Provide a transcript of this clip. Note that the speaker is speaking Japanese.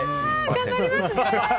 頑張りますね！